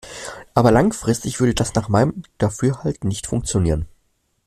Aber langfristig würde das nach meinem Dafürhalten nicht funktionieren.